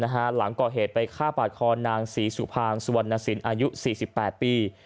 หลังก่อเหตุไปฆ่าปาดคอนางศรีสุภางสุวรรณสินอายุ๔๘ปี